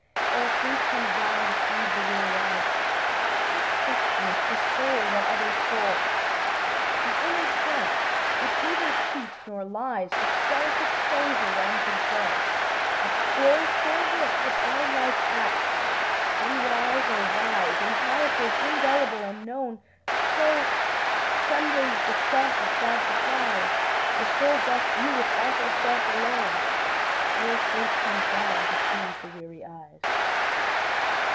Ere sleep comes down to soothe the weary eyes, How questioneth the soul that other soul, The inner sense which neither cheats nor lies, But self exposes unto self, a scroll Full writ with all life's acts unwise or wise, In characters indelible and known; So, trembling with the shock of sad surprise, The soul doth view its awful self alone, Ere sleep comes down to soothe the weary eyes.